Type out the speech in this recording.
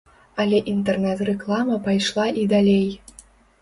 Але інтэрнэт-рэклама пайшла і далей.